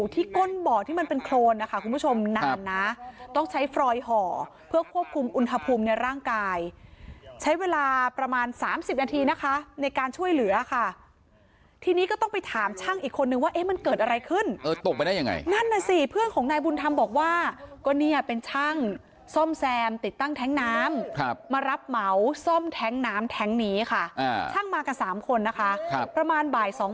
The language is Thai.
ที่มันเป็นโครนนะคะคุณผู้ชมนานนะต้องใช้ฟรอยห่อเพื่อควบคุมอุณหภูมิในร่างกายใช้เวลาประมาณสามสิบนาทีนะคะในการช่วยเหลือค่ะทีนี้ก็ต้องไปถามช่างอีกคนนึงว่าเอ๊ะมันเกิดอะไรขึ้นเออตกไปได้ยังไงนั่นนะสิเพื่อนของนายบุญธรรมบอกว่าก็เนี่ยเป็นช่างส้มแซมติดตั้งแท๊งน้ำครับมารับเหมาส้มแท๊งน้